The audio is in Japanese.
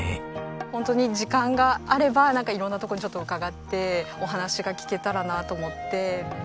本当に時間があれば色んなとこにちょっと伺ってお話が聞けたらなと思って。